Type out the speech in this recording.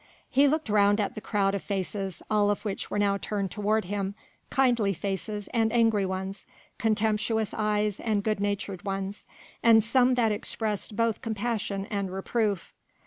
He looked round at the crowd of faces, all of which were now turned toward him, kindly faces and angry ones, contemptuous eyes and good natured ones, and some that expressed both compassion and reproof.